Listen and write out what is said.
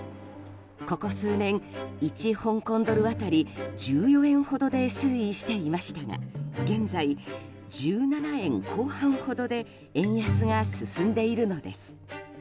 ここ数年、１香港ドル当たり１４円ほどで推移していましたが現在、１７円後半ほどで円安が進んでいるのです。